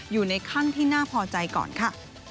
อยู่ในขั้นที่น่าพอใจก่อนค่ะ